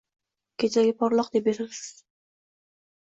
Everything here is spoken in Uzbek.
kelajagi porloq!” deb yozasiz.